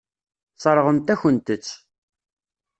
Sseṛɣent-akent-tt.